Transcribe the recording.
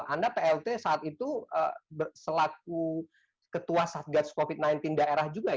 anda plt saat itu selaku ketua satgas covid sembilan belas daerah juga ya